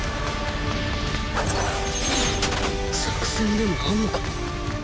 作戦でもあんのか？